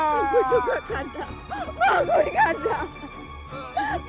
aku juga di kandang aku di kandang